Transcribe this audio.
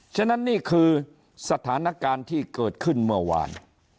ฉะนั้นนี่คือสถานการณ์ที่เกิดขึ้นเมื่อวาน